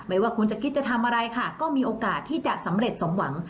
ว่าคุณจะคิดจะทำอะไรค่ะก็มีโอกาสที่จะสำเร็จสมหวัง